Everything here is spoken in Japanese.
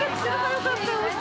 よかった。